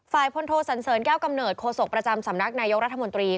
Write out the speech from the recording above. พลโทสันเสริญแก้วกำเนิดโคศกประจำสำนักนายกรัฐมนตรี